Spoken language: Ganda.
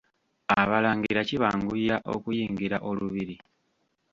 Abalangira kibanguyira okuyingira olubiri.